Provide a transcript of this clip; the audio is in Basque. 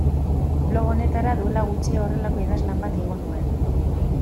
Blog honetara duela gutxi horrelako idazlan bat igo nuen.